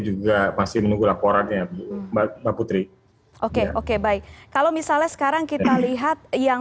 juga masih menunggu laporannya mbak putri oke oke baik kalau misalnya sekarang kita lihat yang